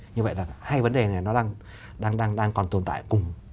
như vậy là hai vấn đề này nó đang còn tồn tại cùng